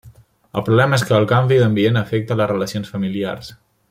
El problema és que el canvi d'ambient afecta les relacions familiars.